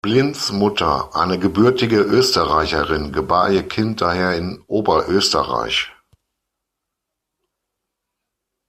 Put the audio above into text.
Blinds Mutter, eine gebürtige Österreicherin, gebar ihr Kind daher in Oberösterreich.